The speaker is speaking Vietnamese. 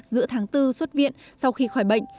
giữa tháng bốn xuất viện sau khi khỏi bệnh